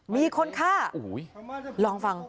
มีคนฆ่า